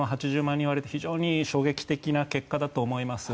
人割れって非常に衝撃的な結果だと思います。